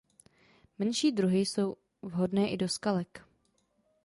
Menší druhy jsou vhodné i do skalek.